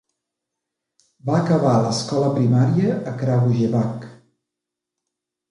Va acabar l'escola primària a Kragujevac.